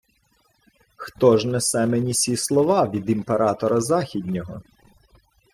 — Хто ж несе мені сі слова від імператора західнього?